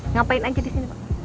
ngapain aja di sini pak